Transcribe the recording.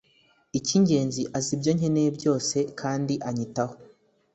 Ikingenzi azi ibyonkeneye byose kndi anyitaho